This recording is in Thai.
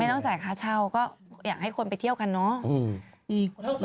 ต้องจ่ายค่าเช่าก็อยากให้คนไปเที่ยวกันเนาะ